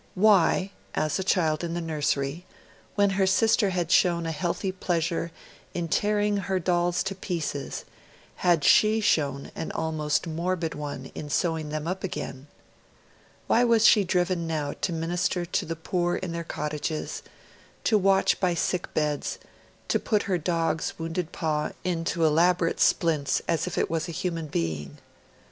Why, as a child in the nursery, when her sister had shown a healthy pleasure in tearing her dolls to pieces, had SHE shown an almost morbid one in sewing them up again? Why was she driven now to minister to the poor in their cottages, to watch by sick beds, to put her dog's wounded paw into elaborate splints as if it was a human being?